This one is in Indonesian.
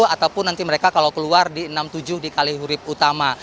ataupun nanti mereka kalau keluar di enam puluh tujuh di kalihurib utama